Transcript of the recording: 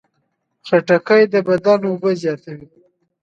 خټکی د بدن اوبه زیاتوي.